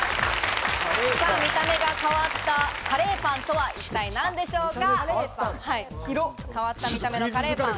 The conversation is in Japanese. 見た目が変わったカレーパンとは、一体何でしょうか？